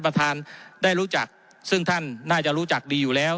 ท่านได้รู้จักซึ่งท่านน่าจะรู้จักดีอยู่แล้ว